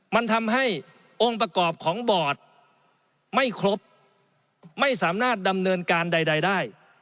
มันทำให้องค์ประกอบของบอร์ดไม่ครบไม่สามารถดำเนินการใดได้